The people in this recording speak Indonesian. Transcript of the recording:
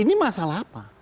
ini masalah apa